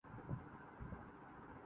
ہوں میں